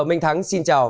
minh thắng xin chào